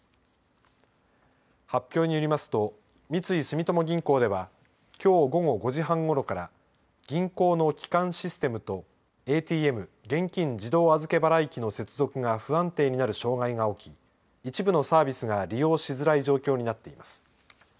発表によりますと三井住友銀行ではきょう午後５時半ごろから銀行の基幹システムとＡＴＭ＝現金自動預け払い機の接続が不安定になる障害が起き一部のサービスが利用しづらい状況になっています。